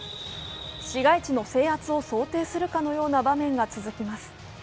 市街地の制圧を想定するかのような場面が続きます。